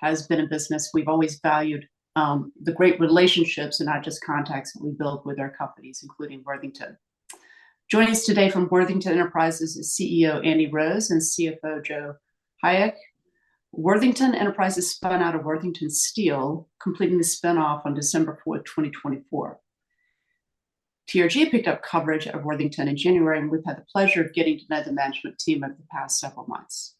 Has been a business we've always valued, the great relationships and not just contacts that we build with our companies, including Worthington. Joining us today from Worthington Enterprises is CEO Andy Rose and CFO Joe Hayek. Worthington Enterprises spun out of Worthington Steel, completing the spinoff on December 4, 2024. TRG picked up coverage of Worthington in January, and we've had the pleasure of getting to know the management team over the past several months.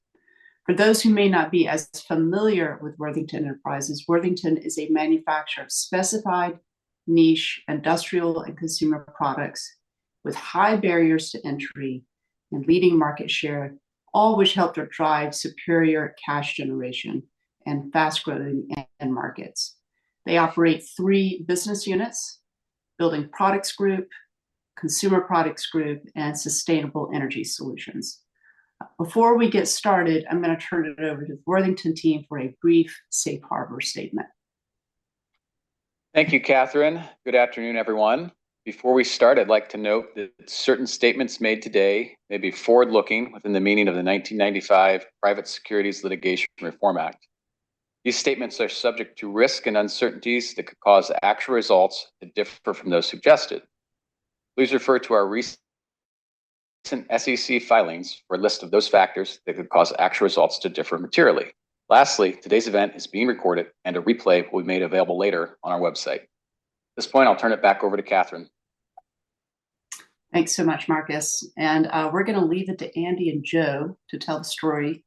For those who may not be as familiar with Worthington Enterprises, Worthington is a manufacturer of specified niche industrial and consumer products with high barriers to entry and leading market share, all which help to drive superior cash generation and fast-growing end markets. They operate three business units: Building Products Group, Consumer Products Group, and Sustainable Energy Solutions. Before we get started, I'm going to turn it over to the Worthington team for a brief Safe Harbor statement. Thank you, Kathryn. Good afternoon, everyone. Before we start, I'd like to note that certain statements made today may be forward-looking within the meaning of the 1995 Private Securities Litigation Reform Act. These statements are subject to risk and uncertainties that could cause actual results to differ from those suggested. Please refer to our recent SEC filings for a list of those factors that could cause actual results to differ materially. Lastly, today's event is being recorded, and a replay will be made available later on our website. At this point, I'll turn it back over to Kathryn. Thanks so much, Marcus. And, we're going to leave it to Andy and Joe to tell the story.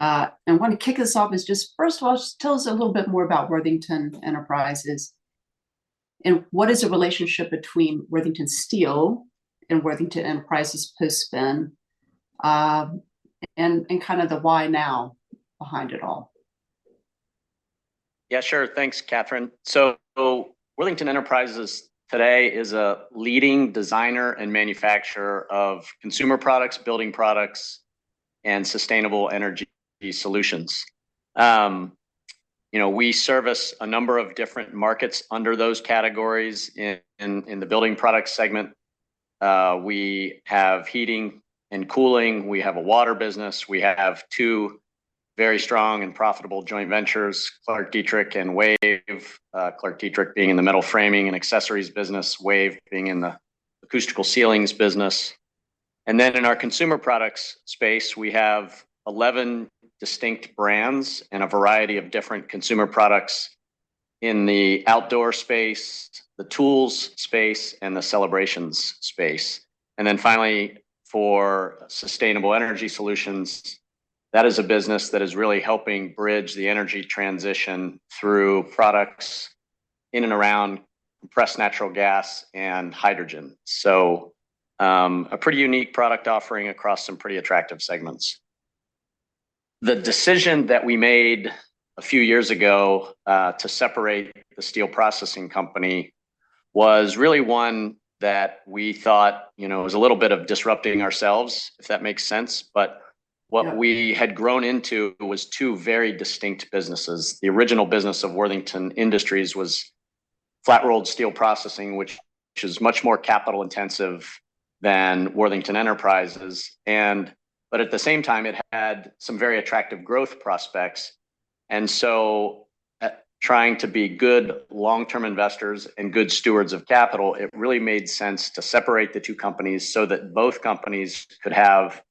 And I want to kick us off is just, first of all, just tell us a little bit more about Worthington Enterprises and what is the relationship between Worthington Steel and Worthington Enterprises post-spin, and, and kind of the why now behind it all. Yeah, sure. Thanks, Kathryn. So Worthington Enterprises today is a leading designer and manufacturer of consumer products, building products, and sustainable energy solutions. You know, we service a number of different markets under those categories in, in the building products segment. We have heating and cooling. We have a water business. We have two very strong and profitable joint ventures: ClarkDietrich and WAVE. ClarkDietrich being in the metal framing and accessories business, WAVE being in the acoustical ceilings business. And then in our consumer products space, we have 11 distinct brands and a variety of different consumer products in the outdoor space, the tools space, and the celebrations space. And then finally, for sustainable energy solutions, that is a business that is really helping bridge the energy transition through products in and around compressed natural gas and hydrogen. So, a pretty unique product offering across some pretty attractive segments. The decision that we made a few years ago, to separate the steel processing company was really one that we thought, you know, it was a little bit of disrupting ourselves, if that makes sense. But what we had grown into was two very distinct businesses. The original business of Worthington Industries was flat-rolled steel processing, which is much more capital-intensive than Worthington Enterprises. And but at the same time, it had some very attractive growth prospects. And so, trying to be good long-term investors and good stewards of capital, it really made sense to separate the two companies so that both companies could have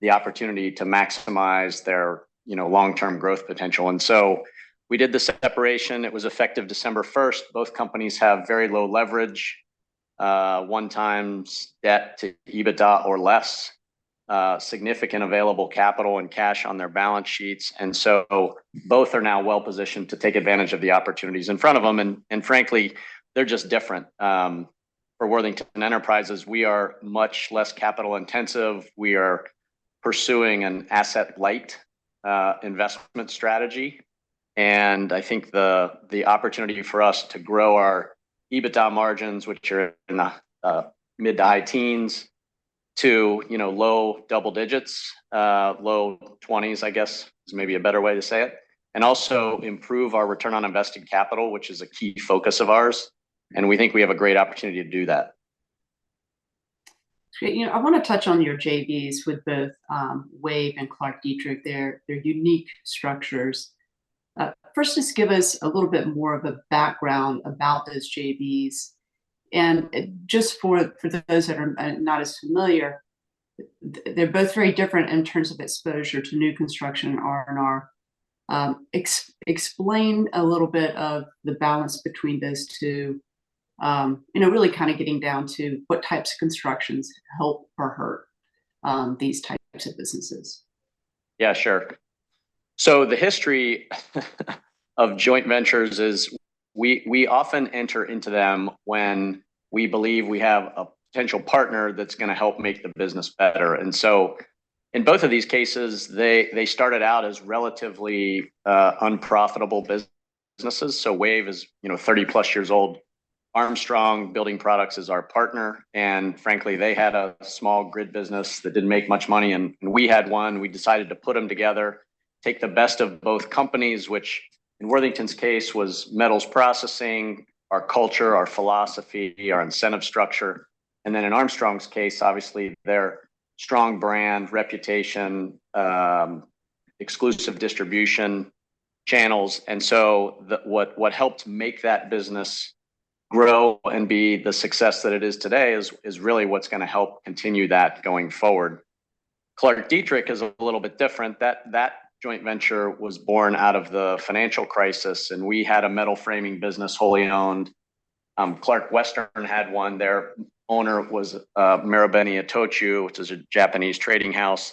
the opportunity to maximize their, you know, long-term growth potential. And so we did the separation. It was effective December 1. Both companies have very low leverage, 1x debt to EBITDA or less, significant available capital and cash on their balance sheets. And so both are now well-positioned to take advantage of the opportunities in front of them. And frankly, they're just different. For Worthington Enterprises, we are much less capital-intensive. We are pursuing an asset-light investment strategy. And I think the opportunity for us to grow our EBITDA margins, which are in the mid- to high-teens, to, you know, low double-digits, low twenties, I guess, is maybe a better way to say it. And also improve our return on invested capital, which is a key focus of ours. And we think we have a great opportunity to do that. Great. You know, I want to touch on your JVs with both, WAVE and ClarkDietrich, their unique structures. First, just give us a little bit more of a background about those JVs. And just for those that are not as familiar, they're both very different in terms of exposure to new construction and R&R. Explain a little bit of the balance between those two, you know, really kind of getting down to what types of constructions help or hurt these types of businesses. Yeah, sure. So the history of joint ventures is we often enter into them when we believe we have a potential partner that's going to help make the business better. And so in both of these cases, they started out as relatively unprofitable businesses. So WAVE is, you know, 30+ years old. Armstrong Building Products is our partner. And frankly, they had a small grid business that didn't make much money. And we had one. We decided to put them together, take the best of both companies, which in Worthington's case was metals processing, our culture, our philosophy, our incentive structure. And then in Armstrong's case, obviously, their strong brand, reputation, exclusive distribution channels. And so what helped make that business grow and be the success that it is today is really what's going to help continue that going forward. ClarkDietrich is a little bit different. That, that joint venture was born out of the financial crisis. We had a metal framing business wholly owned. Clark Western had one. Their owner was, Marubeni-Itochu, which is a Japanese trading house.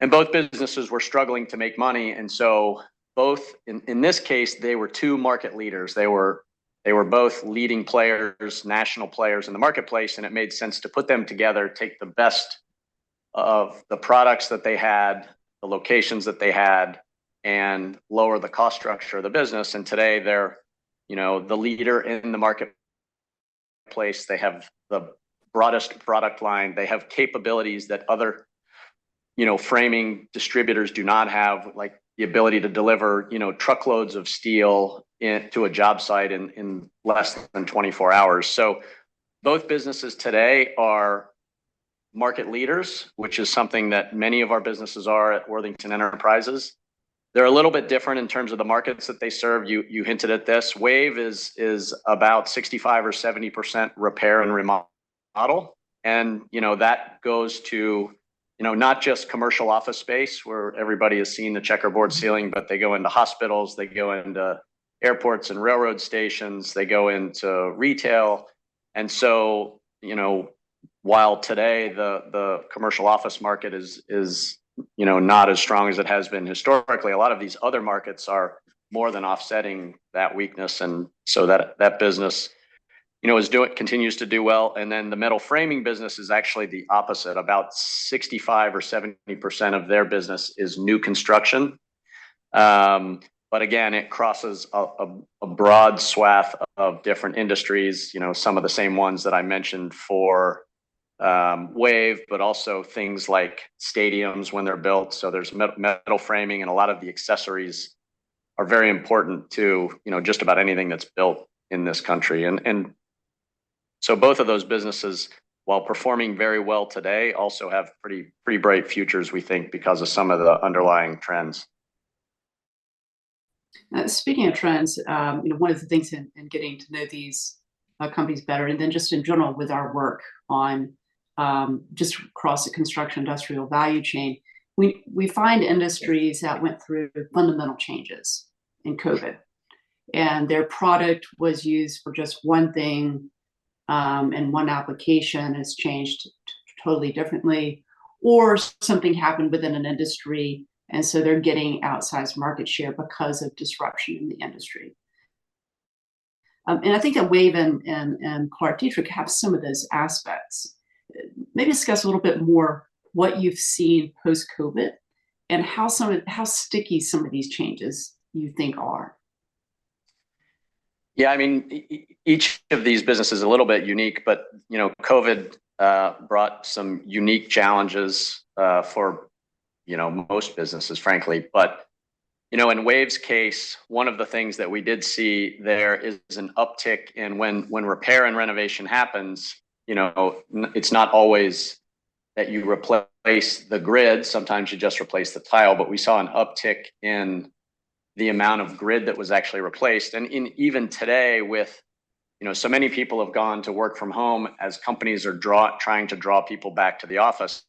Both businesses were struggling to make money. So both in, in this case, they were two market leaders. They were, they were both leading players, national players in the marketplace. It made sense to put them together, take the best of the products that they had, the locations that they had, and lower the cost structure of the business. Today they're, you know, the leader in the marketplace. They have the broadest product line. They have capabilities that other, you know, framing distributors do not have, like the ability to deliver, you know, truckloads of steel into a job site in less than 24 hours. So both businesses today are market leaders, which is something that many of our businesses are at Worthington Enterprises. They're a little bit different in terms of the markets that they serve. You hinted at this. WAVE is about 65%-70% repair and remodel. And, you know, that goes to, you know, not just commercial office space where everybody is seeing the checkerboard ceiling, but they go into hospitals, they go into airports and railroad stations, they go into retail. And so, you know, while today the commercial office market is, you know, not as strong as it has been historically, a lot of these other markets are more than offsetting that weakness. And so that business, you know, is doing, continues to do well. And then the metal framing business is actually the opposite. About 65%-70% of their business is new construction. But again, it crosses a broad swath of different industries, you know, some of the same ones that I mentioned for WAVE, but also things like stadiums when they're built. So there's metal framing, and a lot of the accessories are very important to, you know, just about anything that's built in this country. And so both of those businesses, while performing very well today, also have pretty bright futures, we think, because of some of the underlying trends. Speaking of trends, you know, one of the things in getting to know these companies better, and then just in general with our work on just across the construction industrial value chain, we find industries that went through fundamental changes in COVID. Their product was used for just one thing, and one application has changed totally differently. Or something happened within an industry, and so they're getting outsized market share because of disruption in the industry. I think that WAVE and ClarkDietrich have some of those aspects. Maybe discuss a little bit more what you've seen post-COVID and how sticky some of these changes you think are. Yeah, I mean, each of these businesses is a little bit unique, but, you know, COVID brought some unique challenges, for, you know, most businesses, frankly. But, you know, in WAVE's case, one of the things that we did see there is an uptick in when repair and renovation happens, you know, it's not always that you replace the grid. Sometimes you just replace the tile. But we saw an uptick in the amount of grid that was actually replaced. And even today with, you know, so many people have gone to work from home as companies are trying to draw people back to the office.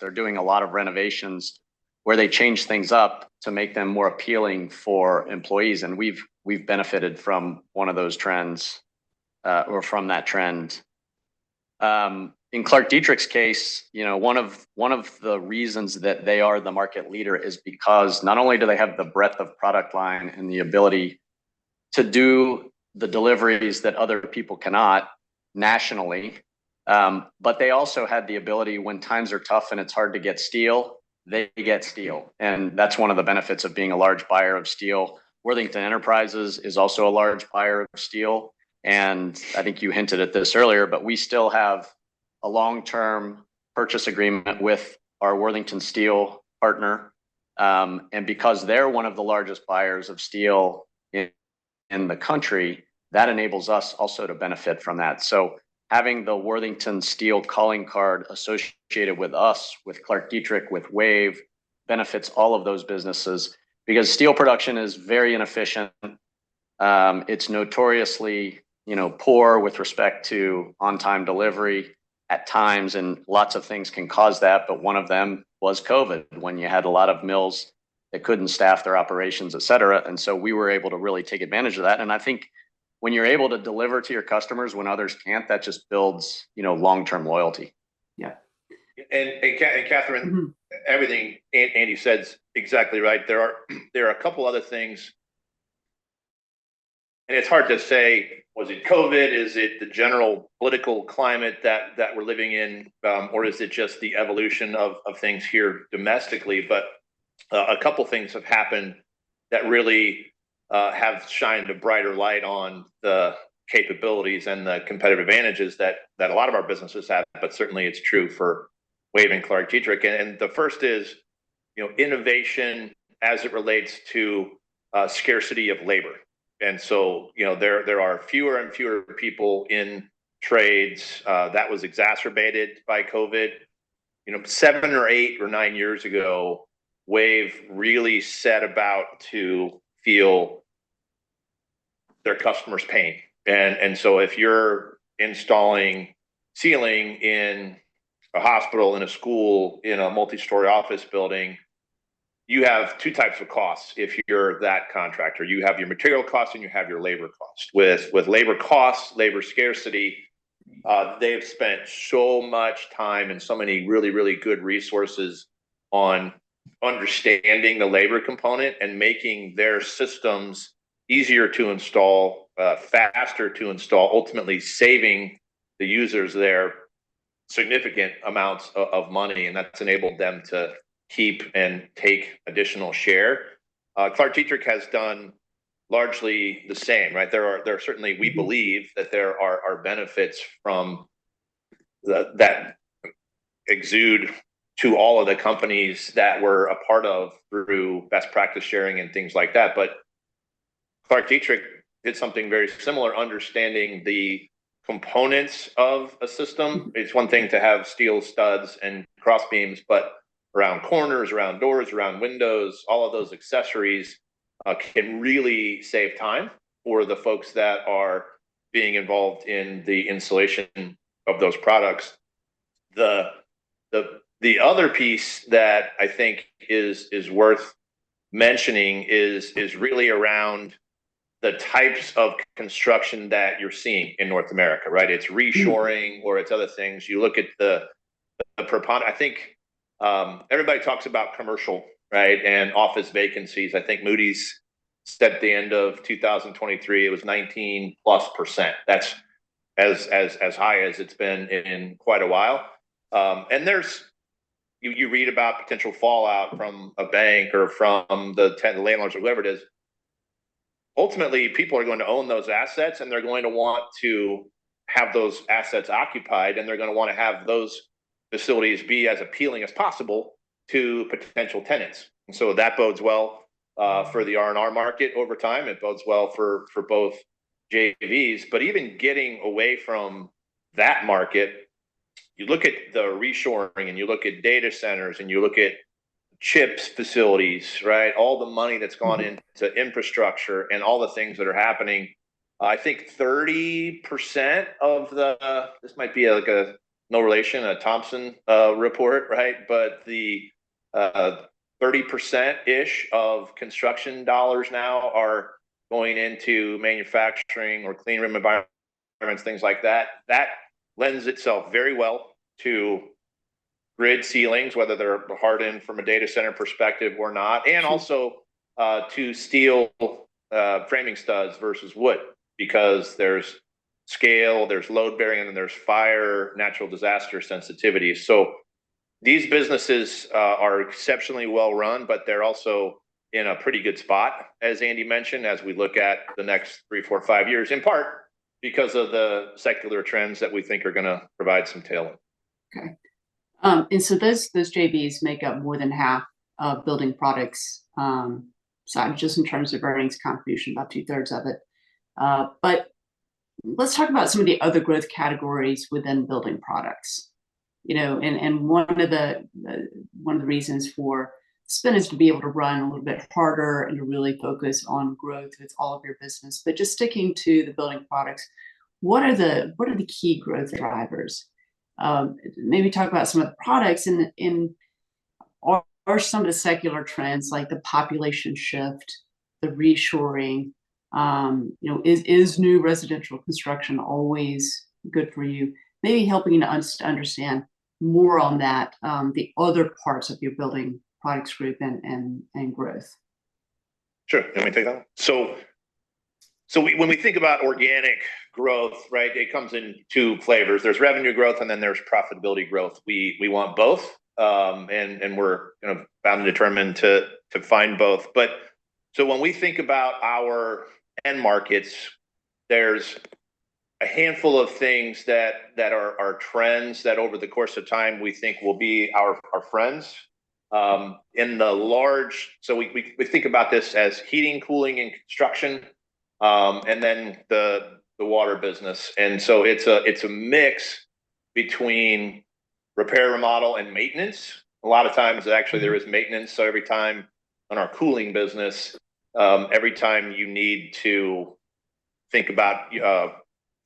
They're doing a lot of renovations where they change things up to make them more appealing for employees. And we've benefited from one of those trends, or from that trend. In ClarkDietrich's case, you know, one of the reasons that they are the market leader is because not only do they have the breadth of product line and the ability to do the deliveries that other people cannot nationally, but they also had the ability when times are tough and it's hard to get steel, they get steel. And that's one of the benefits of being a large buyer of steel. Worthington Enterprises is also a large buyer of steel. And I think you hinted at this earlier, but we still have a long-term purchase agreement with our Worthington Steel partner. Because they're one of the largest buyers of steel in the country, that enables us also to benefit from that. So having the Worthington Steel calling card associated with us, with ClarkDietrich, with WAVE benefits all of those businesses because steel production is very inefficient. It's notoriously, you know, poor with respect to on-time delivery at times. And lots of things can cause that. But one of them was COVID when you had a lot of mills that couldn't staff their operations, et cetera. And so we were able to really take advantage of that. And I think when you're able to deliver to your customers when others can't, that just builds, you know, long-term loyalty. Yeah. And, Kathryn, everything Andy said's exactly right. There are a couple other things. And it's hard to say, was it COVID? Is it the general political climate that we're living in? Or is it just the evolution of things here domestically? But a couple things have happened that really have shined a brighter light on the capabilities and the competitive advantages that a lot of our businesses have. But certainly, it's true for WAVE and ClarkDietrich. And the first is, you know, innovation as it relates to scarcity of labor. And so, you know, there are fewer and fewer people in trades that was exacerbated by COVID. You know, seven or eight or nine years ago, WAVE really set about to feel their customers' pain. And so if you're installing ceiling in a hospital, in a school, in a multi-story office building, you have two types of costs. If you're that contractor, you have your material costs and you have your labor costs. With labor costs, labor scarcity, they have spent so much time and so many really, really good resources on understanding the labor component and making their systems easier to install, faster to install, ultimately saving the users their significant amounts of money. And that's enabled them to keep and take additional share. ClarkDietrich has done largely the same, right? There are certainly we believe that there are benefits from that that exude to all of the companies that we're a part of through best practice sharing and things like that. But ClarkDietrich did something very similar, understanding the components of a system. It's one thing to have steel studs and cross beams, but around corners, around doors, around windows, all of those accessories, can really save time for the folks that are being involved in the installation of those products. The other piece that I think is worth mentioning is really around the types of construction that you're seeing in North America, right? It's reshoring or it's other things. You look at the proponent, I think, everybody talks about commercial, right? And office vacancies. I think Moody's said at the end of 2023. It was 19%+. That's as high as it's been in quite a while. And then you read about potential fallout from a bank or from the landlords or whoever it is. Ultimately, people are going to own those assets, and they're going to want to have those assets occupied. They're going to want to have those facilities be as appealing as possible to potential tenants. So that bodes well for the R&R market over time. It bodes well for both JVs. But even getting away from that market, you look at the reshoring and you look at data centers and you look at chips facilities, right? All the money that's gone into infrastructure and all the things that are happening. I think 30% of this might be a Thompson report, right? But the 30%-ish of construction dollars now are going into manufacturing or clean room environments, things like that. That lends itself very well to grid ceilings, whether they're hardened from a data center perspective or not. Also, to steel framing studs versus wood because there's scale, there's load bearing, and then there's fire, natural disaster sensitivity. These businesses are exceptionally well run, but they're also in a pretty good spot, as Andy mentioned, as we look at the next three, four, five years, in part because of the secular trends that we think are going to provide some tail end. Okay. And so those JVs make up more than half of building products, so just in terms of earnings contribution, about two-thirds of it. But let's talk about some of the other growth categories within building products. You know, and one of the reasons for spin is to be able to run a little bit harder and to really focus on growth with all of your business. But just sticking to the building products, what are the key growth drivers? Maybe talk about some of the products and some of the secular trends, like the population shift, the reshoring, you know, is new residential construction always good for you? Maybe helping you to understand more on that, the other parts of your building products group and growth. Sure. Can we take that one? So we when we think about organic growth, right, it comes in two flavors. There's revenue growth, and then there's profitability growth. We want both, and we're kind of bound and determined to find both. But so when we think about our end markets, there's a handful of things that are trends that over the course of time we think will be our friends. In the large so we think about this as heating, cooling, and construction, and then the water business. And so it's a mix between repair, remodel, and maintenance. A lot of times, actually, there is maintenance. So every time in our cooling business, every time you need to think about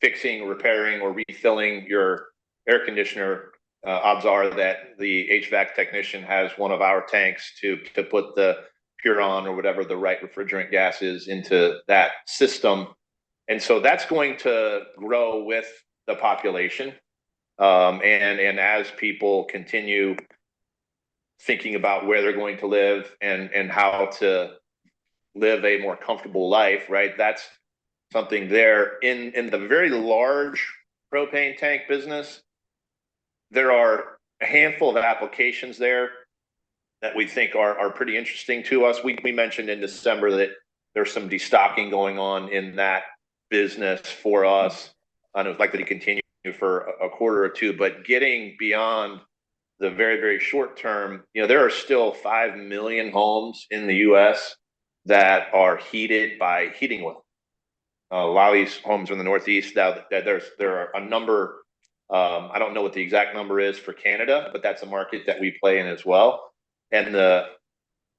fixing, repairing, or refilling your air conditioner, odds are that the HVAC technician has one of our tanks to put the Puron or whatever the right refrigerant gas is into that system. And so that's going to grow with the population. And as people continue thinking about where they're going to live and how to live a more comfortable life, right? That's something there. In the very large propane tank business, there are a handful of applications there that we think are pretty interesting to us. We mentioned in December that there's some destocking going on in that business for us. I don't know if I'd like to continue for a quarter or two. But getting beyond the very, very short term, you know, there are still 5 million homes in the U.S. that are heated by heating oil. A lot of these homes are in the Northeast. Now, there are a number, I don't know what the exact number is for Canada, but that's a market that we play in as well. And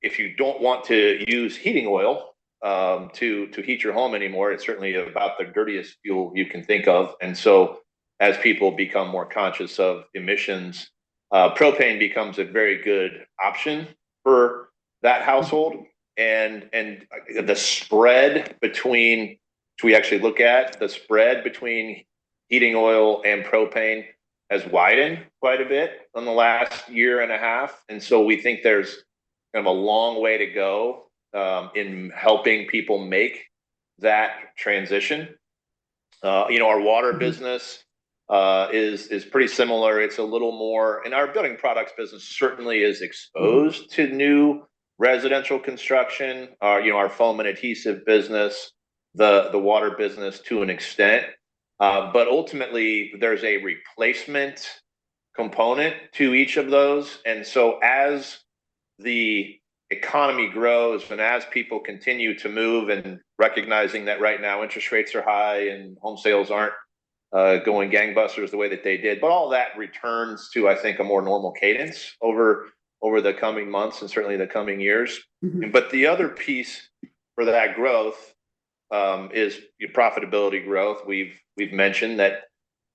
if you don't want to use heating oil to heat your home anymore, it's certainly about the dirtiest fuel you can think of. And so as people become more conscious of emissions, propane becomes a very good option for that household. And the spread between to actually look at the spread between heating oil and propane has widened quite a bit in the last year and a half. And so we think there's kind of a long way to go in helping people make that transition. You know, our water business is pretty similar. It's a little more and our building products business certainly is exposed to new residential construction, our, you know, our foam and adhesive business, the water business to an extent. But ultimately, there's a replacement component to each of those. And so as the economy grows and as people continue to move and recognizing that right now interest rates are high and home sales aren't going gangbusters the way that they did, but all that returns to, I think, a more normal cadence over the coming months and certainly the coming years. But the other piece for that growth is, you know, profitability growth. We've mentioned that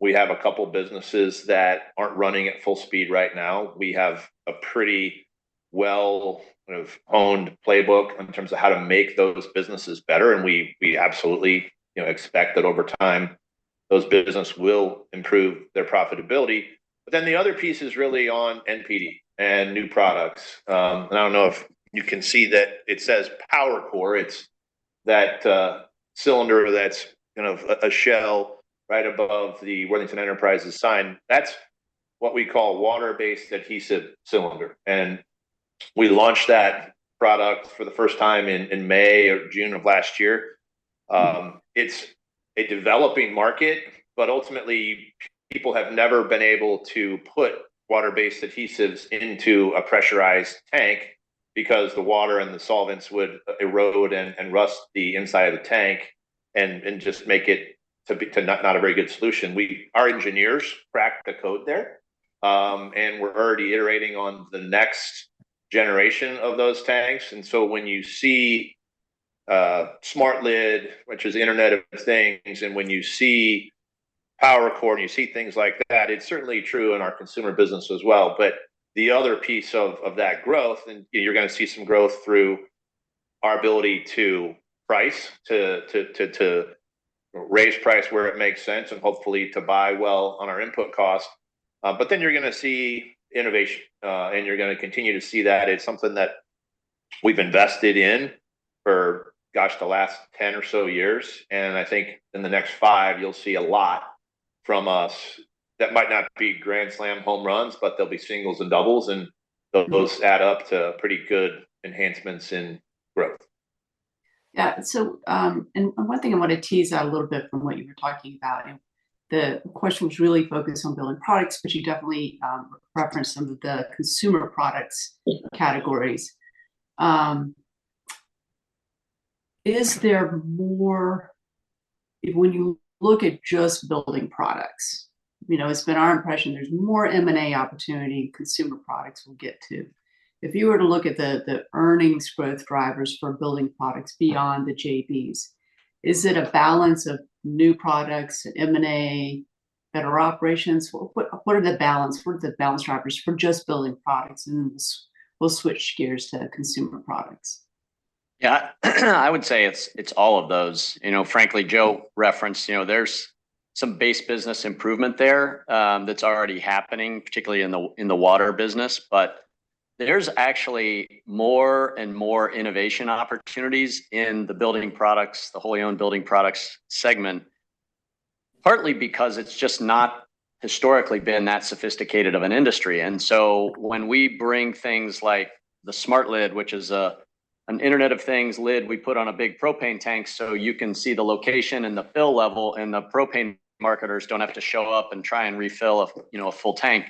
we have a couple businesses that aren't running at full speed right now. We have a pretty well-known playbook in terms of how to make those businesses better. And we absolutely, you know, expect that over time, those businesses will improve their profitability. But then the other piece is really on NPD and new products. And I don't know if you can see that it says PowerCore. It's that cylinder that's kind of a shell right above the Worthington Enterprises sign. That's what we call water-based adhesive cylinder. And we launched that product for the first time in May or June of last year. It's a developing market. But ultimately, people have never been able to put water-based adhesives into a pressurized tank because the water and the solvents would erode and rust the inside of the tank and just make it to not a very good solution. Our engineers cracked the code there. And we're already iterating on the next generation of those tanks. So when you see SmartLid, which is Internet of Things, and when you see PowerCore and you see things like that, it's certainly true in our consumer business as well. But the other piece of that growth, and you're going to see some growth through our ability to price, to raise price where it makes sense, and hopefully to buy well on our input cost. But then you're going to see innovation. And you're going to continue to see that it's something that we've invested in for, gosh, the last 10 or so years. And I think in the next five, you'll see a lot from us that might not be grand slam home runs, but there'll be singles and doubles. And those add up to pretty good enhancements in growth. Yeah. One thing I want to tease out a little bit from what you were talking about, and the question was really focused on building products, but you definitely referenced some of the consumer products categories. Is there more when you look at just building products? You know, it's been our impression there's more M&A opportunity consumer products we'll get to. If you were to look at the earnings growth drivers for building products beyond the JVs, is it a balance of new products, M&A, better operations? What are the balance? What are the balance drivers for just building products? And then we'll switch gears to consumer products. Yeah. I would say it's all of those. You know, frankly, Joe referenced, you know, there's some base business improvement there, that's already happening, particularly in the water business. But there's actually more and more innovation opportunities in the building products, the wholly owned building products segment, partly because it's just not historically been that sophisticated of an industry. And so when we bring things like the SmartLid, which is an Internet of Things lid, we put on a big propane tank so you can see the location and the fill level and the propane marketers don't have to show up and try and refill a, you know, a full tank.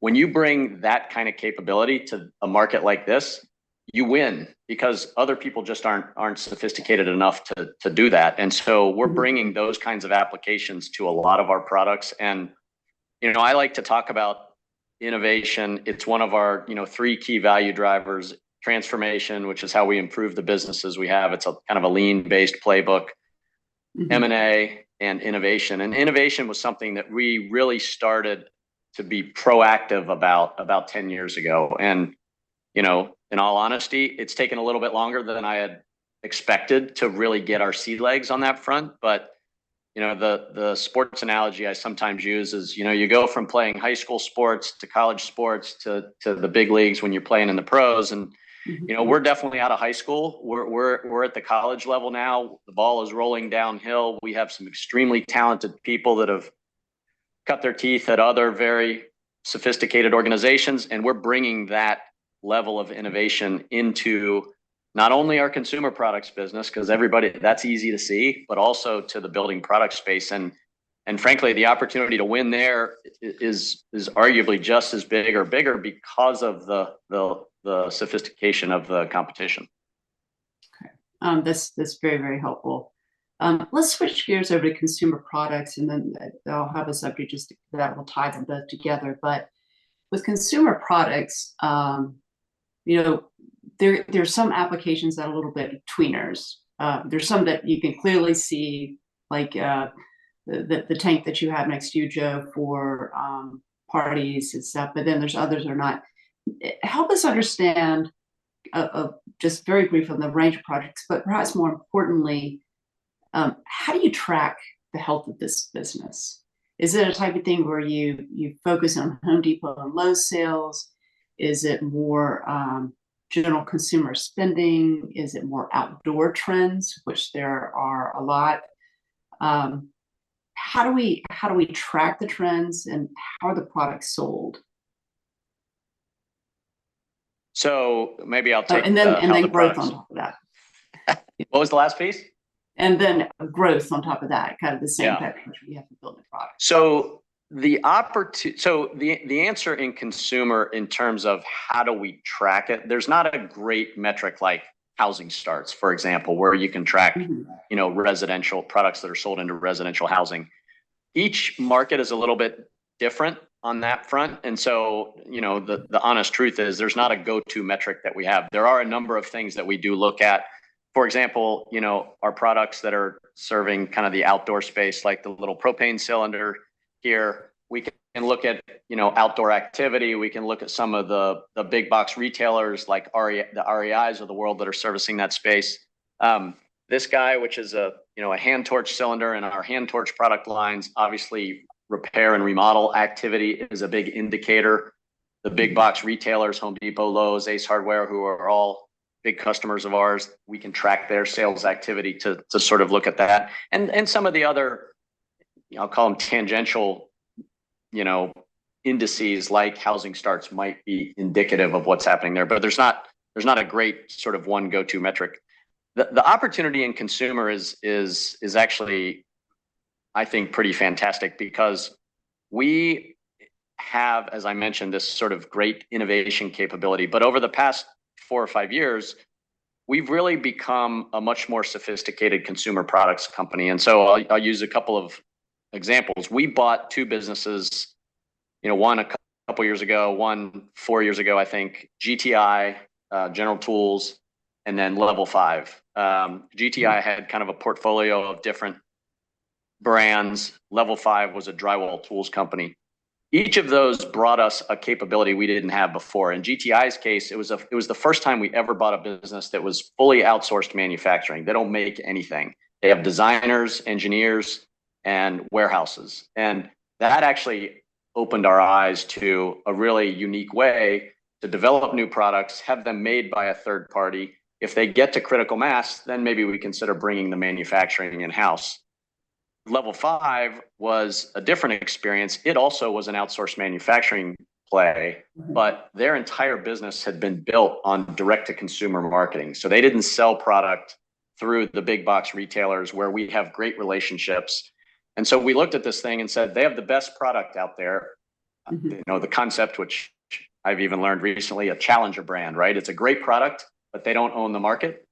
When you bring that kind of capability to a market like this, you win because other people just aren't sophisticated enough to do that. And so we're bringing those kinds of applications to a lot of our products. And, you know, I like to talk about innovation. It's one of our, you know, three key value drivers, transformation, which is how we improve the businesses we have. It's a kind of a lean-based playbook. M&A and innovation. And innovation was something that we really started to be proactive about 10 years ago. And, you know, in all honesty, it's taken a little bit longer than I had expected to really get our sea legs on that front. But, you know, the sports analogy I sometimes use is, you know, you go from playing high school sports to college sports to the big leagues when you're playing in the pros. And, you know, we're definitely out of high school. We're at the college level now. The ball is rolling downhill. We have some extremely talented people that have cut their teeth at other very sophisticated organizations. And we're bringing that level of innovation into not only our consumer products business because everybody that's easy to see, but also to the building product space. And frankly, the opportunity to win there is arguably just as big or bigger because of the sophistication of the competition. Okay. This is very helpful. Let's switch gears over to consumer products. And then I'll have a subject just that will tie the both together. But with consumer products, you know, there's some applications that are a little bit betweeners. There's some that you can clearly see, like the tank that you have next to you, Joe, for parties and stuff. But then there's others that are not. Help us understand, just very briefly on the range of products, but perhaps more importantly, how do you track the health of this business? Is it a type of thing where you focus on Home Depot and Lowe's sales? Is it more general consumer spending? Is it more outdoor trends, which there are a lot? How do we track the trends and how are the products sold? So maybe I'll take that last piece. And then growth on top of that. What was the last piece? Then growth on top of that, kind of the same type of thing that we have to build the product. The answer in consumer in terms of how do we track it, there's not a great metric like housing starts, for example, where you can track, you know, residential products that are sold into residential housing. Each market is a little bit different on that front. And so, you know, the honest truth is, there's not a go-to metric that we have. There are a number of things that we do look at. For example, you know, our products that are serving kind of the outdoor space, like the little propane cylinder here, we can look at, you know, outdoor activity. We can look at some of the big box retailers, like the REI's of the world that are servicing that space. This guy, which is, you know, a hand torch cylinder in our hand torch product lines. Obviously, repair and remodel activity is a big indicator. The big box retailers, Home Depot, Lowe's, Ace Hardware, who are all big customers of ours, we can track their sales activity to sort of look at that. And some of the other, you know, I'll call them tangential, you know, indices like housing starts might be indicative of what's happening there. But there's not a great sort of one go-to metric. The opportunity in consumer is actually, I think, pretty fantastic because we have, as I mentioned, this sort of great innovation capability. But over the past four or five years, we've really become a much more sophisticated consumer products company. And so I'll use a couple of examples. We bought two businesses, you know, one a couple of years ago, one four years ago, I think, GTI, General Tools, and then Level5. GTI had kind of a portfolio of different brands. Level5 was a drywall tools company. Each of those brought us a capability we didn't have before. In GTI's case, it was a it was the first time we ever bought a business that was fully outsourced manufacturing. They don't make anything. They have designers, engineers, and warehouses. That actually opened our eyes to a really unique way to develop new products, have them made by a third party. If they get to critical mass, then maybe we consider bringing the manufacturing in-house. Level5 was a different experience. It also was an outsourced manufacturing play. Their entire business had been built on direct-to-consumer marketing. So they didn't sell product through the big box retailers where we have great relationships. And so we looked at this thing and said, they have the best product out there. You know, the concept, which I've even learned recently, a challenger brand, right? It's a great product, but they don't own the market.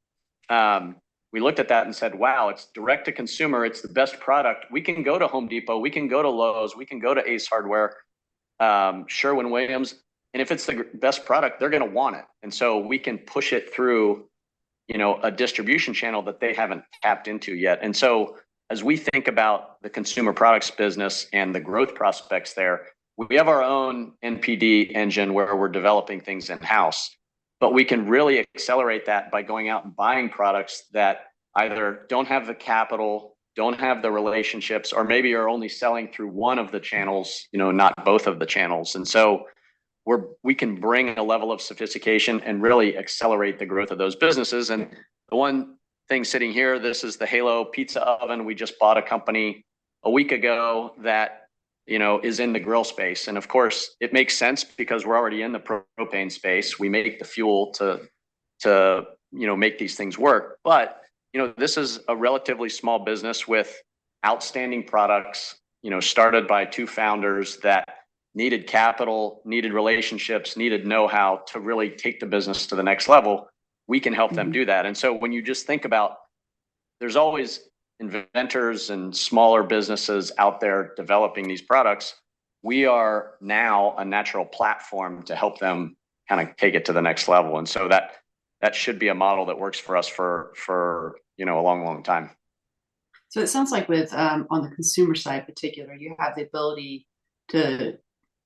We looked at that and said, wow, it's direct-to-consumer. It's the best product. We can go to Home Depot. We can go to Lowe's. We can go to Ace Hardware. Sherwin-Williams. And if it's the best product, they're going to want it. And so we can push it through, you know, a distribution channel that they haven't tapped into yet. And so as we think about the consumer products business and the growth prospects there, we have our own NPD engine where we're developing things in-house. But we can really accelerate that by going out and buying products that either don't have the capital, don't have the relationships, or maybe are only selling through one of the channels, you know, not both of the channels. And so we can bring a level of sophistication and really accelerate the growth of those businesses. And the one thing sitting here, this is the HALO Pizza Oven. We just bought a company a week ago that, you know, is in the grill space. And of course, it makes sense because we're already in the propane space. We make the fuel to you know make these things work. But, you know, this is a relatively small business with outstanding products, you know, started by two founders that needed capital, needed relationships, needed know-how to really take the business to the next level. We can help them do that. And so when you just think about there's always inventors and smaller businesses out there developing these products. We are now a natural platform to help them kind of take it to the next level. And so that should be a model that works for us for, you know, a long, long time. It sounds like, on the consumer side in particular, you have the ability to,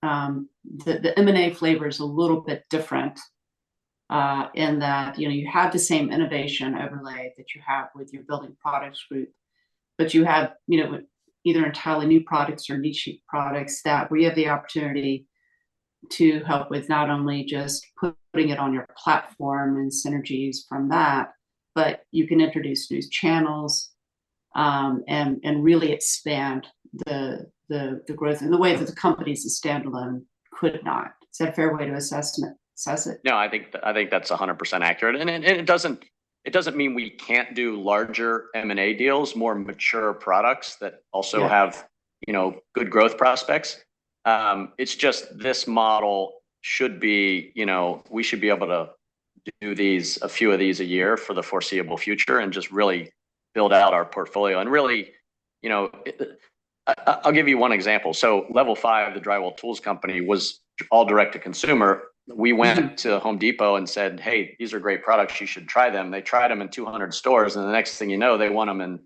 the M&A flavor is a little bit different, in that, you know, you have the same innovation overlay that you have with your building products group. But you have, you know, either entirely new products or niche products that, where you have the opportunity to help with not only just putting it on your platform and synergies from that, but you can introduce new channels, and really expand the growth in the way that the companies as standalone could not. Is that a fair way to assess it? No, I think, I think that's 100% accurate. And it, and it doesn't, it doesn't mean we can't do larger M&A deals, more mature products that also have, you know, good growth prospects. It's just this model should be, you know, we should be able to do these, a few of these a year for the foreseeable future and just really build out our portfolio. And really, you know, I'll give you one example. So Level5, the drywall tools company was all direct-to-consumer. We went to Home Depot and said, hey, these are great products. You should try them. They tried them in 200 stores. And the next thing you know, they want them in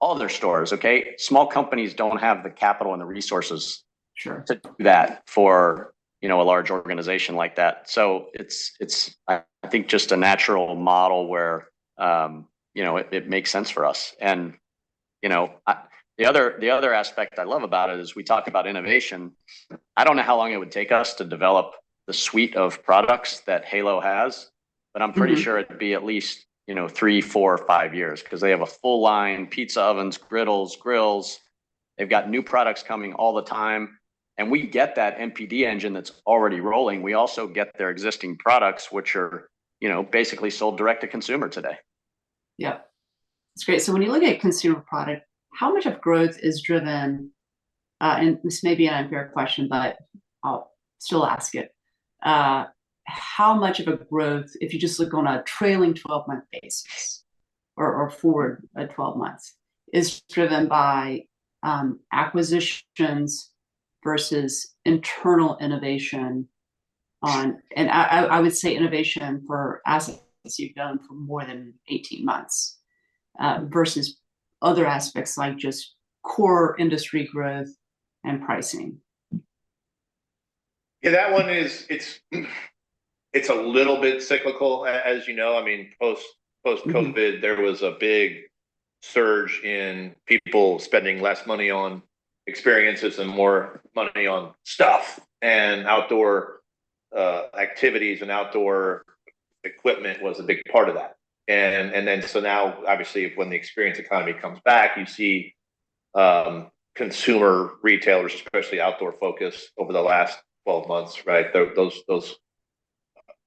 all their stores. Okay? Small companies don't have the capital and the resources to do that for, you know, a large organization like that. So it's, I think, just a natural model where, you know, it makes sense for us. And, you know, the other aspect I love about it is we talk about innovation. I don't know how long it would take us to develop the suite of products that HALO has. But I'm pretty sure it'd be at least, you know, 3, 4, 5 years because they have a full line pizza ovens, griddles, grills. They've got new products coming all the time. And we get that NPD engine that's already rolling. We also get their existing products, which are, you know, basically sold direct-to-consumer today. Yeah. That's great. So when you look at consumer product, how much of growth is driven? And this may be an unfair question, but I'll still ask it. How much of a growth, if you just look on a trailing 12-month basis or forward 12 months, is driven by acquisitions versus internal innovation on, and I would say innovation for assets you've done for more than 18 months, versus other aspects like just core industry growth and pricing? Yeah, that one is, it's a little bit cyclical, as you know. I mean, post-COVID, there was a big surge in people spending less money on experiences and more money on stuff. And outdoor activities and outdoor equipment was a big part of that. And then so now, obviously, when the experience economy comes back, you see consumer retailers, especially outdoor focus over the last 12 months, right? Those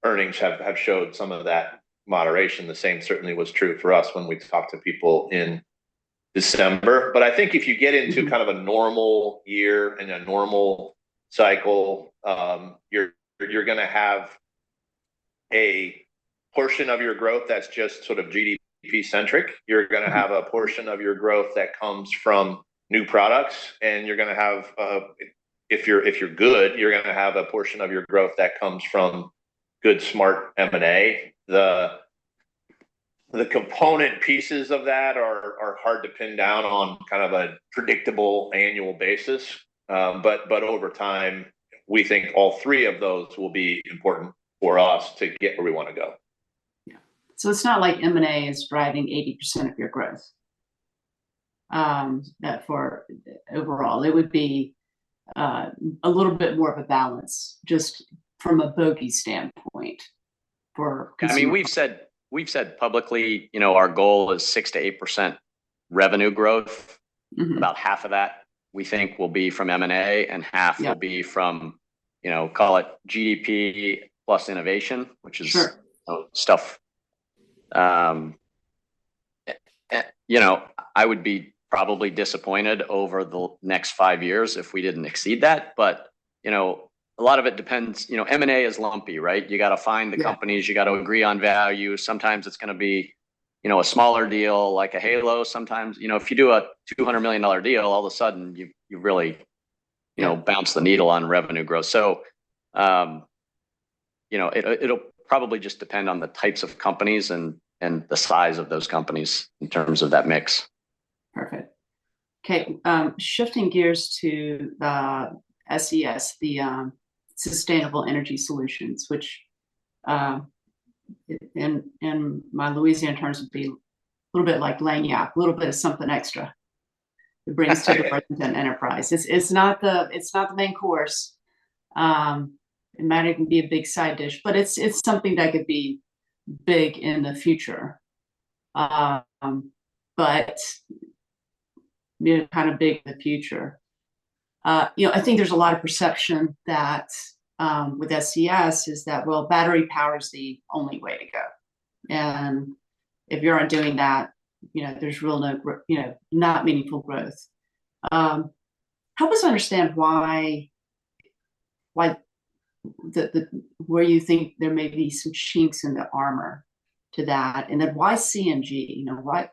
earnings have showed some of that moderation. The same certainly was true for us when we talked to people in December. But I think if you get into kind of a normal year and a normal cycle, you're going to have a portion of your growth that's just sort of GDP-centric. You're going to have a portion of your growth that comes from new products. You're going to have, if you're good, you're going to have a portion of your growth that comes from good, smart M&A. The component pieces of that are hard to pin down on kind of a predictable annual basis. But over time, we think all three of those will be important for us to get where we want to go. Yeah. So it's not like M&A is driving 80% of your growth. That, for overall, it would be a little bit more of a balance just from a bogey standpoint for consumers. I mean, we've said, we've said publicly, you know, our goal is 6%-8% revenue growth. About half of that, we think, will be from M&A and half will be from, you know, call it GDP plus innovation, which is stuff. You know, I would be probably disappointed over the next five years if we didn't exceed that. But, you know, a lot of it depends, you know, M&A is lumpy, right? You got to find the companies. You got to agree on value. Sometimes it's going to be, you know, a smaller deal like a HALO. Sometimes, you know, if you do a $200 million deal, all of a sudden, you, you really, you know, bounce the needle on revenue growth. So, you know, it'll probably just depend on the types of companies and, and the size of those companies in terms of that mix. Perfect. Okay. Shifting gears to the SES, the Sustainable Energy Solutions, which, in, in my Louisiana terms would be a little bit like lagniappe, a little bit of something extra. It brings to the present and enterprise. It's, it's not the, it's not the main course. It might even be a big side dish, but it's, it's something that could be big in the future. But kind of big in the future. You know, I think there's a lot of perception that, with SES is that, well, battery power is the only way to go. And if you aren't doing that, you know, there's real no, you know, not meaningful growth. Help us understand why, why the, the where you think there may be some chinks in the armor to that. And then why CNG? You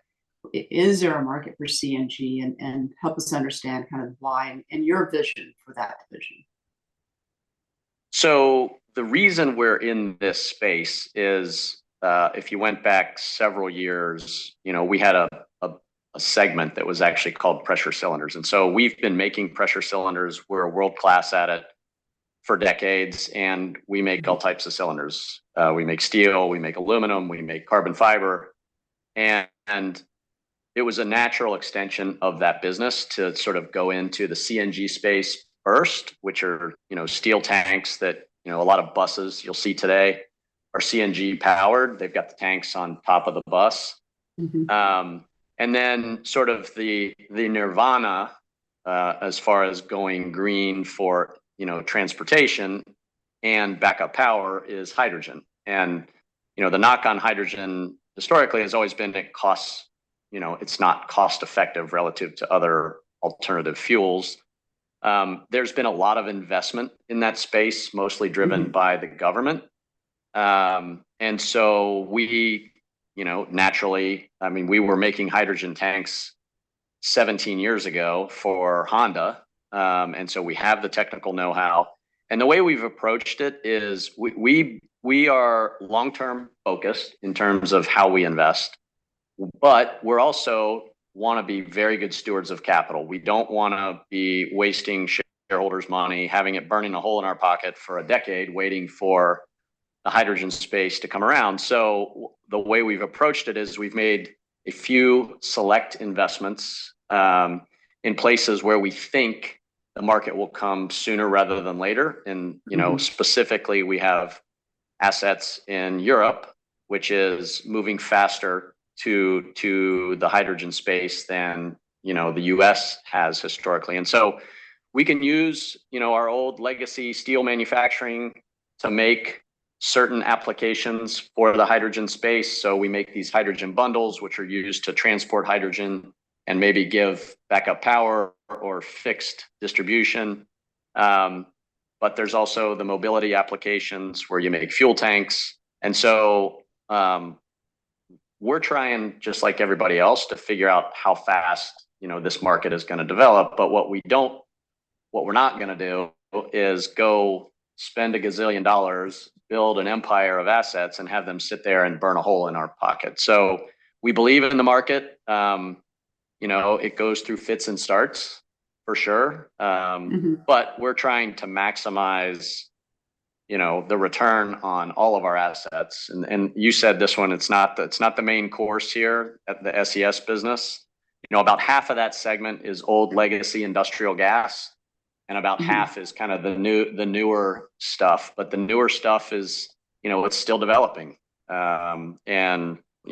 know, why is there a market for CNG? Help us understand kind of why and your vision for that vision. So the reason we're in this space is, if you went back several years, you know, we had a segment that was actually called pressure cylinders. And so we've been making pressure cylinders. We're world-class at it for decades. And we make all types of cylinders. We make steel. We make aluminum. We make carbon fiber. And it was a natural extension of that business to sort of go into the CNG space first, which are, you know, steel tanks that, you know, a lot of buses you'll see today are CNG powered. They've got the tanks on top of the bus. And then sort of the nirvana, as far as going green for, you know, transportation and backup power, is hydrogen. And, you know, the knock on hydrogen historically has always been it costs, you know. It's not cost-effective relative to other alternative fuels. There's been a lot of investment in that space, mostly driven by the government. And so we, you know, naturally, I mean, we were making hydrogen tanks 17 years ago for Honda. And so we have the technical know-how. And the way we've approached it is we are long-term focused in terms of how we invest. But we're also want to be very good stewards of capital. We don't want to be wasting shareholders' money, having it burning a hole in our pocket for a decade, waiting for the hydrogen space to come around. So the way we've approached it is we've made a few select investments, in places where we think the market will come sooner rather than later. And, you know, specifically, we have assets in Europe, which is moving faster to the hydrogen space than, you know, the U.S. has historically. We can use, you know, our old legacy steel manufacturing to make certain applications for the hydrogen space. We make these hydrogen bundles, which are used to transport hydrogen and maybe give backup power or fixed distribution. But there's also the mobility applications where you make fuel tanks. We're trying, just like everybody else, to figure out how fast, you know, this market is going to develop. But what we don't, what we're not going to do is go spend a gazillion dollars, build an empire of assets, and have them sit there and burn a hole in our pocket. We believe in the market. You know, it goes through fits and starts, for sure. But we're trying to maximize, you know, the return on all of our assets. You said this one, it's not the main course here at the SES business. You know, about half of that segment is old legacy industrial gas. And about half is kind of the newer stuff. But the newer stuff is, you know, it's still developing. You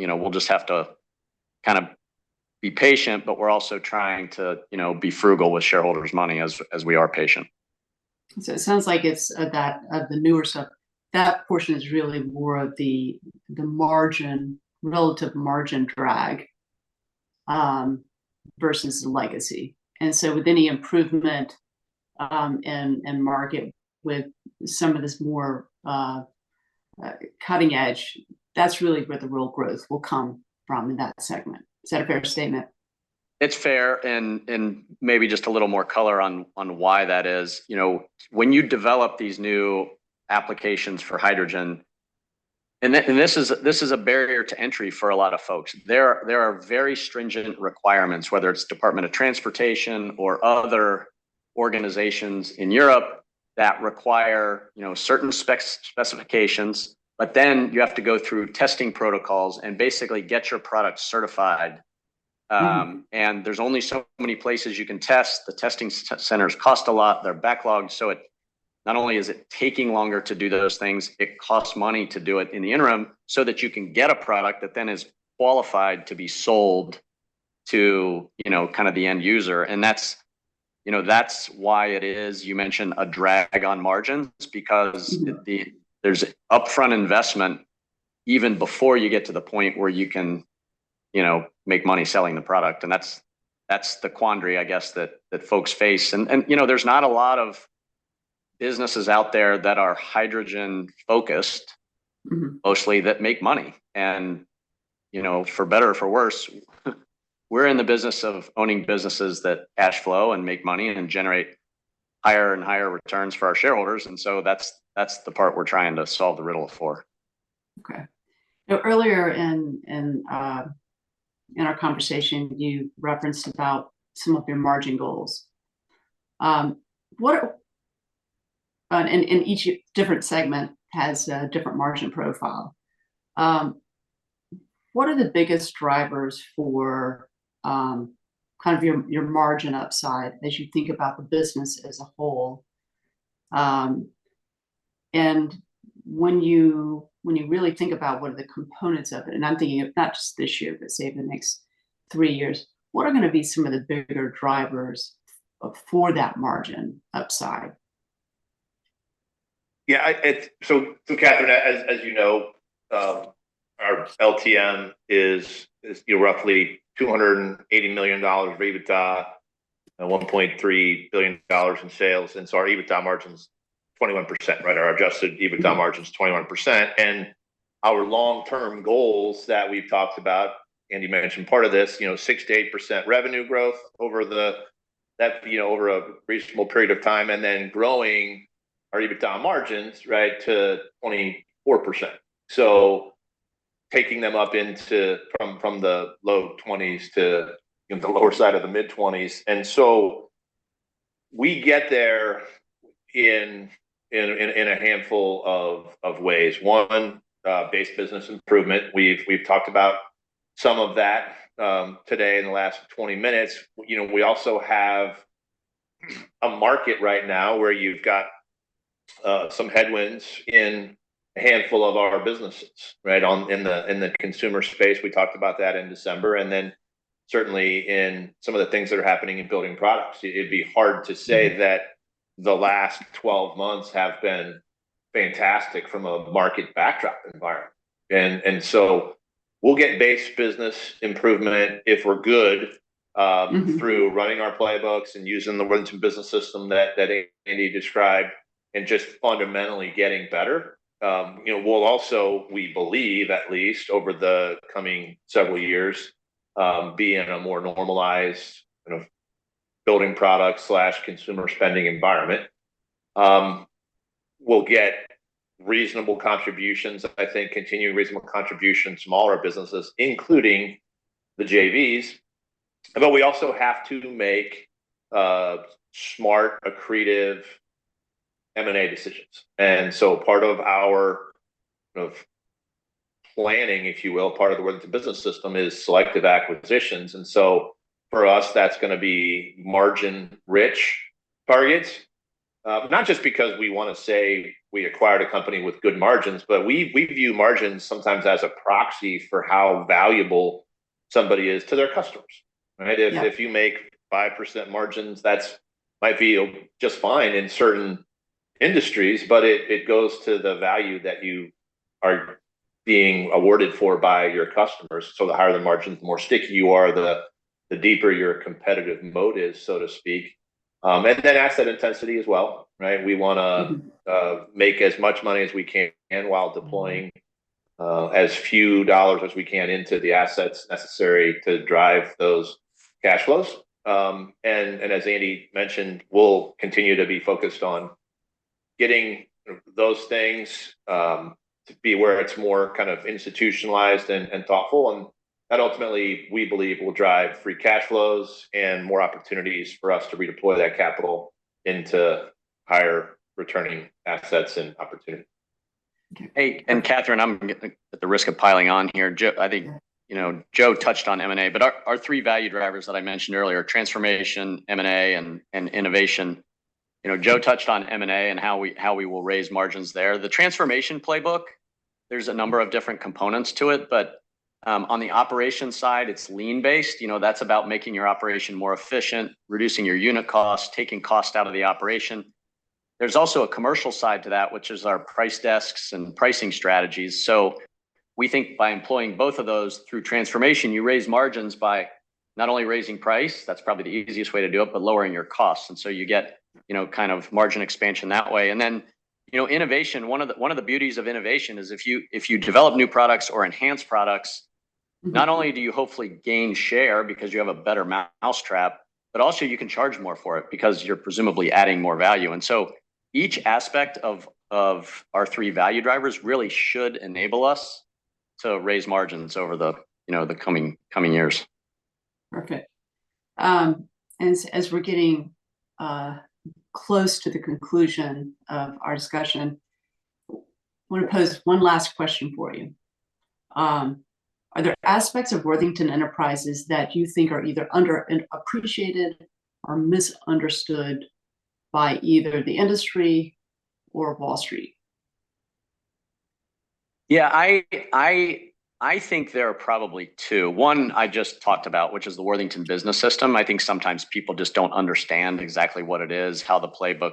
know, we'll just have to kind of be patient, but we're also trying to, you know, be frugal with shareholders' money as we are patient. So it sounds like it's that of the newer stuff, that portion is really more of the margin, relative margin drag, versus the legacy. So with any improvement in market with some of this more cutting edge, that's really where the real growth will come from in that segment. Is that a fair statement? It's fair. Maybe just a little more color on why that is. You know, when you develop these new applications for hydrogen, and this is a barrier to entry for a lot of folks. There are very stringent requirements, whether it's Department of Transportation or other organizations in Europe that require, you know, certain specifications. But then you have to go through testing protocols and basically get your product certified. And there's only so many places you can test. The testing centers cost a lot. They're backlogged. So not only is it taking longer to do those things, it costs money to do it in the interim so that you can get a product that then is qualified to be sold to, you know, kind of the end user. And that's, you know, that's why it is you mentioned a drag on margins because there's upfront investment even before you get to the point where you can, you know, make money selling the product. And that's, that's the quandary, I guess, that, that folks face. And, and you know, there's not a lot of businesses out there that are hydrogen-focused, mostly that make money. And, you know, for better or for worse, we're in the business of owning businesses that cash flow and make money and generate higher and higher returns for our shareholders. And so that's, that's the part we're trying to solve the riddle for. Okay. Now, earlier in our conversation, you referenced about some of your margin goals. What are, and each different segment has a different margin profile. What are the biggest drivers for, kind of your, your margin upside as you think about the business as a whole? And when you really think about what are the components of it, and I'm thinking of not just this year, but say the next three years, what are going to be some of the bigger drivers for that margin upside? So, Kathryn, as you know, our LTM is, you know, roughly $280 million EBITDA, $1.3 billion in sales. And so our EBITDA margin's 21%, right? Our adjusted EBITDA margin's 21%. And our long-term goals that we've talked about, Andy mentioned part of this, you know, 6%-8% revenue growth over that, you know, over a reasonable period of time, and then growing our EBITDA margins, right, to 24%. So taking them up from the low 20s to, you know, the lower side of the mid 20s. And so we get there in a handful of ways. One, base business improvement. We've talked about some of that, today in the last 20 minutes. You know, we also have a market right now where you've got some headwinds in a handful of our businesses, right, in the consumer space. We talked about that in December. And then certainly in some of the things that are happening in building products. It'd be hard to say that the last 12 months have been fantastic from a market backdrop environment. And so we'll get base business improvement if we're good through running our playbooks and using the Worthington Business System that Andy described and just fundamentally getting better. You know, we'll also, we believe, at least over the coming several years, be in a more normalized, you know, building product/consumer spending environment. We'll get reasonable contributions, I think, continuing reasonable contributions from smaller businesses, including the JVs. But we also have to make smart, accretive M&A decisions. And so part of our, you know, planning, if you will, part of the Worthington Business System is selective acquisitions. And so for us, that's going to be margin-rich targets, not just because we want to say we acquired a company with good margins, but we, we view margins sometimes as a proxy for how valuable somebody is to their customers, right? If, if you make 5% margins, that might be just fine in certain industries, but it, it goes to the value that you are being awarded for by your customers. So the higher the margins, the more sticky you are, the, the deeper your competitive moat is, so to speak. And then asset intensity as well, right? We want to make as much money as we can while deploying as few dollars as we can into the assets necessary to drive those cash flows. and as Andy mentioned, we'll continue to be focused on getting, you know, those things to be where it's more kind of institutionalized and thoughtful. And that ultimately, we believe, will drive free cash flows and more opportunities for us to redeploy that capital into higher returning assets and opportunities. Okay. Hey, and Kathryn, I'm at the risk of piling on here. Jo, I think, you know, Jo touched on M&A, but our, our three value drivers that I mentioned earlier are transformation, M&A, and, and innovation. You know, Jo touched on M&A and how we, how we will raise margins there. The Transformation Playbook, there's a number of different components to it. But, on the operations side, it's lean-based. You know, that's about making your operation more efficient, reducing your unit costs, taking cost out of the operation. There's also a commercial side to that, which is our price desks and pricing strategies. So we think by employing both of those through transformation, you raise margins by not only raising price, that's probably the easiest way to do it, but lowering your costs. And so you get, you know, kind of margin expansion that way. And then, you know, innovation, one of the beauties of innovation is if you develop new products or enhance products, not only do you hopefully gain share because you have a better mousetrap, but also you can charge more for it because you're presumably adding more value. And so each aspect of our three value drivers really should enable us to raise margins over the, you know, the coming years. Perfect. As we're getting close to the conclusion of our discussion, I want to pose one last question for you. Are there aspects of Worthington Enterprises that you think are either underappreciated or misunderstood by either the industry or Wall Street? Yeah, I think there are probably two. One, I just talked about, which is the Worthington Business System. I think sometimes people just don't understand exactly what it is, how the playbook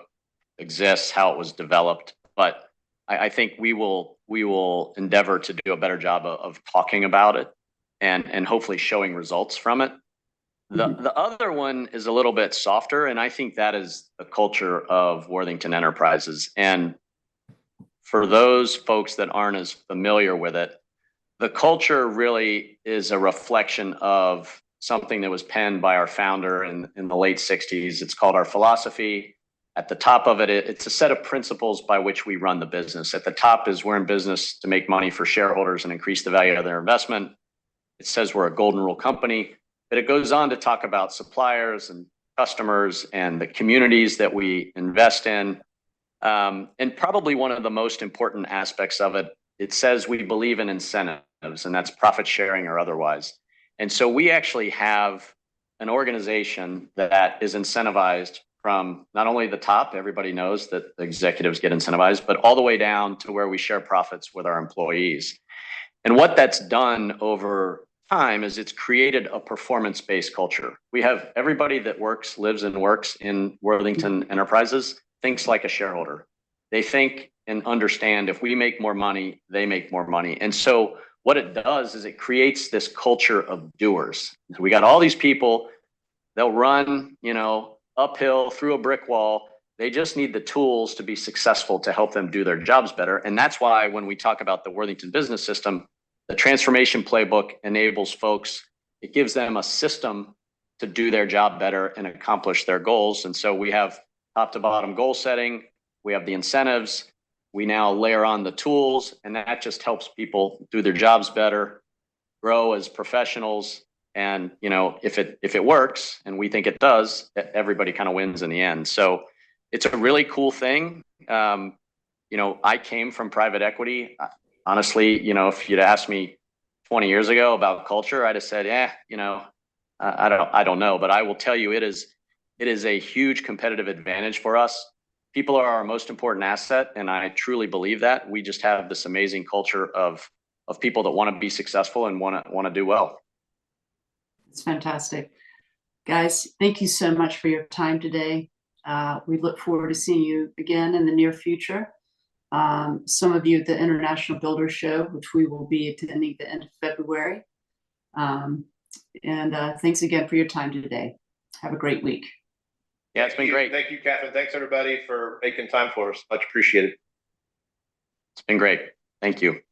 exists, how it was developed. But I think we will endeavor to do a better job of talking about it and hopefully showing results from it. The other one is a little bit softer, and I think that is the culture of Worthington Enterprises. For those folks that aren't as familiar with it, the culture really is a reflection of something that was penned by our founder in the late 1960s. It's called our philosophy. At the top of it, it's a set of principles by which we run the business. At the top is, we're in business to make money for shareholders and increase the value of their investment. It says we're a Golden Rule company. But it goes on to talk about suppliers and customers and the communities that we invest in. And probably one of the most important aspects of it, it says we believe in incentives, and that's profit sharing or otherwise. And so we actually have an organization that is incentivized from not only the top, everybody knows that the executives get incentivized, but all the way down to where we share profits with our employees. And what that's done over time is it's created a performance-based culture. We have everybody that works, lives, and works in Worthington Enterprises thinks like a shareholder. They think and understand if we make more money, they make more money. What it does is it creates this culture of doers. We got all these people. They'll run, you know, uphill through a brick wall. They just need the tools to be successful to help them do their jobs better. And that's why when we talk about the Worthington Business System, the Transformation Playbook enables folks; it gives them a system to do their job better and accomplish their goals. We have top-to-bottom goal setting. We have the incentives. We now layer on the tools. And that just helps people do their jobs better, grow as professionals. You know, if it works, and we think it does, everybody kind of wins in the end. It's a really cool thing. You know, I came from private equity. Honestly, you know, if you'd asked me 20 years ago about culture, I'd have said, you know, I don't, I don't know. But I will tell you it is, it is a huge competitive advantage for us. People are our most important asset, and I truly believe that. We just have this amazing culture of, of people that want to be successful and want to, want to do well. That's fantastic. Guys, thank you so much for your time today. We look forward to seeing you again in the near future. Some of you at the International Builders Show, which we will be attending the end of February. And, thanks again for your time today. Have a great week. Yeah, it's been great. Thank you, Kathryn. Thanks, everybody, for making time for us. Much appreciated. It's been great. Thank you.